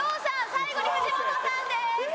最後に藤本さんです。